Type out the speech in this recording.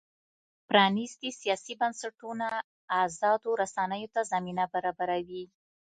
پرانیستي سیاسي بنسټونه ازادو رسنیو ته زمینه برابروي.